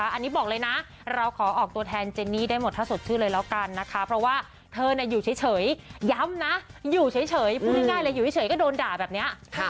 อันนี้บอกเลยนะเราขอออกตัวแทนเจนนี่ได้หมดถ้าสดชื่อเลยแล้วกันนะคะเพราะว่าเธออยู่เฉยย้ำนะอยู่เฉยพูดง่ายเลยอยู่เฉยก็โดนด่าแบบนี้